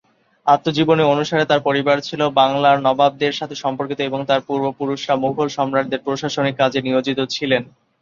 আত্মজীবনী অনুসারে তার পরিবার ছিল বাংলার নবাবদের সাথে সম্পর্কিত এবং তার পূর্ব পুরুষরা মুঘল সম্রাটদের প্রশাসনিক কাজে নিয়োজিত ছিলেন।